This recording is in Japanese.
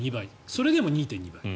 それでも２．２倍。